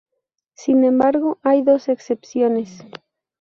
Sin embargo, hay dos excepciones.